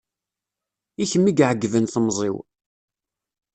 I kem i iɛegben temẓi-w.